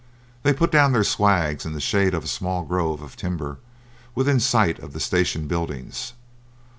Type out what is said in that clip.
They put down their swags in the shade of a small grove of timber within sight of the station buildings.